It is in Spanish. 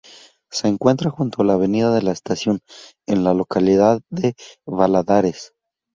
Se encuentra junto a la avenida de la Estación, en la localidad de Valadares.